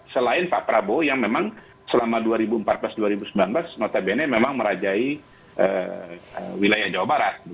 selain pak prabowo yang memang selama dua ribu empat belas dua ribu sembilan belas notabene memang merajai wilayah jawa barat